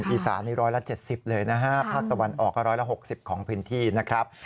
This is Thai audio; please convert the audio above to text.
อีสานนี้๑๗๐เลยนะฮะภาคตะวันออกก็๑๖๐ของพื้นที่นะครับ